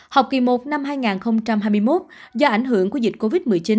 học kỳ một năm hai nghìn hai mươi một do ảnh hưởng của dịch covid một mươi chín